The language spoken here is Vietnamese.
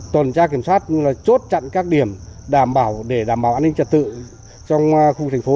tuần tra kiểm soát cũng là chốt chặn các điểm đảm bảo để đảm bảo an ninh trật tự trong khu thành phố